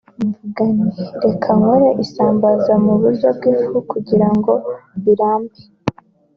mvuga nti reka nkore isambaza mu buryo bw’ifu kugira ngo birambe